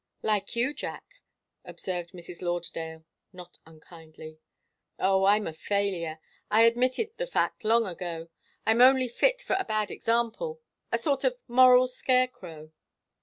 "Like you, Jack," observed Mrs. Lauderdale, not unkindly. "Oh, I'm a failure. I admitted the fact long ago. I'm only fit for a bad example, a sort of moral scarecrow."